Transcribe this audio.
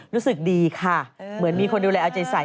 รู้สึกดีค่ะเหมือนมีคนดูแลเอาใจใส่